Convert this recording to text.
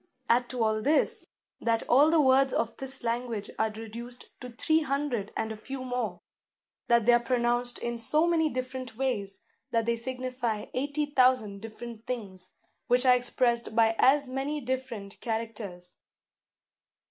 Add to all this, that all the words of this language are reduced to three hundred and a few more; that they are pronounced in so many different ways, that they signify eighty thousand different things, which are expressed by as many different characters.